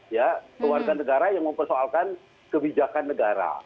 keluarga negara yang mempersoalkan kebijakan negara